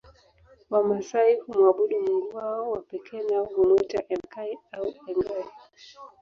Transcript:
Wamasai humwabudu mungu wao wa pekee nao humwita Enkai au Engai